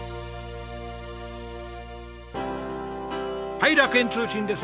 はい楽園通信です。